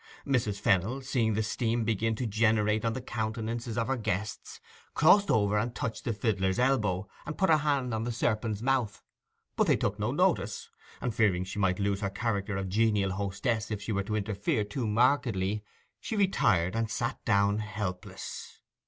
Mrs. Fennel, seeing the steam begin to generate on the countenances of her guests, crossed over and touched the fiddler's elbow and put her hand on the serpent's mouth. But they took no notice, and fearing she might lose her character of genial hostess if she were to interfere too markedly, she retired and sat down helpless.